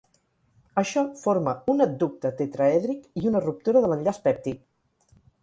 Això forma un adducte tetraèdric i una ruptura de l'enllaç pèptid.